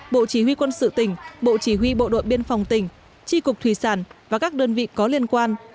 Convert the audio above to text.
bộ chỉ huy quân sự tỉnh bộ chỉ huy bộ đội biên phòng tỉnh tri cục thủy sản và các đơn vị có liên quan